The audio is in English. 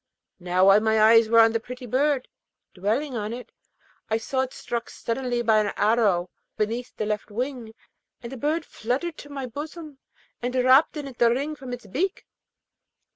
Now, while my eyes were on the pretty bird, dwelling on it, I saw it struck suddenly by an arrow beneath the left wing, and the bird fluttered to my bosom and dropped in it the ring from its beak.